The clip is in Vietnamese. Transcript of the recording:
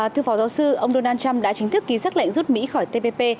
thưa phó giáo sư ông donald trump đã chính thức ký xác lệnh rút mỹ khỏi tpp